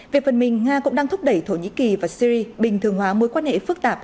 về phần mình nga cũng đang thúc đẩy thổ nhĩ kỳ và syri bình thường hóa mối quan hệ phức tạp